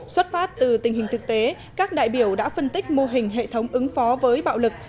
xuất phát từ tình hình thực tế các đại biểu đã phân tích mô hình hệ thống ứng phó với bạo lực